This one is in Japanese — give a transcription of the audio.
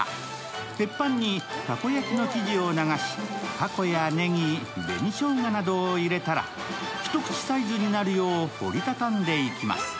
鉄板にたこ焼きの生地を流し、たこやネギ、紅しょうがなどを入れたら、一口サイズになるよう折り畳んでいきます。